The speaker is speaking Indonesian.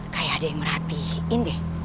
kayak ada yang merhatiin deh